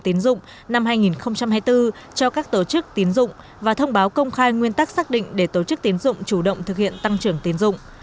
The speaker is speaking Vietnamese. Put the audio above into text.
tăng trưởng tín dụng năm hai nghìn hai mươi bốn cho các tổ chức tín dụng và thông báo công khai nguyên tắc xác định để tổ chức tín dụng chủ động thực hiện tăng trưởng tín dụng